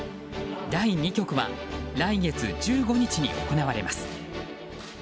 第２局は来月１５日に行われます。